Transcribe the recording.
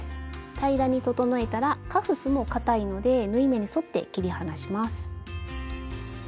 平らに整えたらカフスもかたいので縫い目に沿って切り離します。